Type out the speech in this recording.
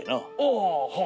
ああ。